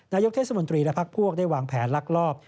นายกเทศมนตรีและพักพวกได้วางแผนลักลอบ